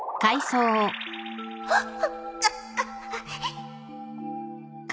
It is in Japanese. あっ！